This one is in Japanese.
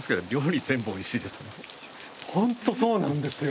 ほんとそうなんですよ。